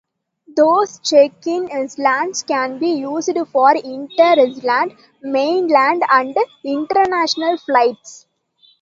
Those check-in islands can be used for inter-island, mainland and international flights.